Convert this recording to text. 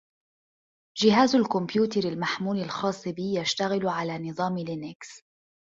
جهاز الكمبيوتر المحمول الخاص بي يشتغل على نظام لينكس.